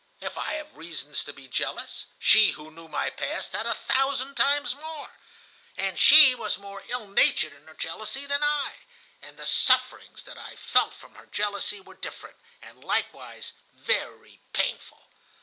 If I have reasons to be jealous, she who knew my past had a thousand times more. And she was more ill natured in her jealousy than I. And the sufferings that I felt from her jealousy were different, and likewise very painful.